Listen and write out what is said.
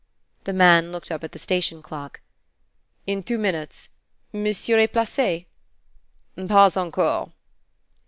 The man looked up at the station clock. "In two minutes. Monsieur est placé?" _"Pas encore."